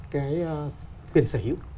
cái quyền sở hữu